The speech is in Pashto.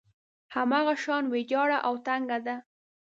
هماغه شان ويجاړه او تنګه ده.